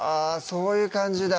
そういう感じだ